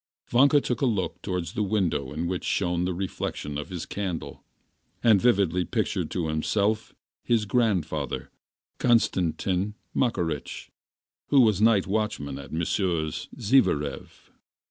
Vanka gave a look towards the window in which shone the reflection of his candle, and vividly pictured to himself his grandfather, Konstantin Makarych, who was night watchman at Messrs. Zhivarev.